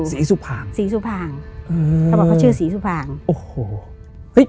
สีสุพางสีสุพางเออเขาบอกเขาชื่อสีสุพางโอ้โห